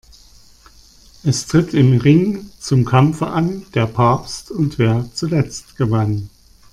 Es tritt im Ring zum Kampfe an: Der Papst und wer zuletzt gewann.